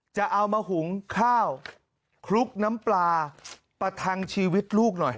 จะเอามาหุงข้าวคลุกน้ำปลาประทังชีวิตลูกหน่อย